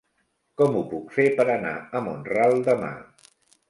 Com ho puc fer per anar a Mont-ral demà?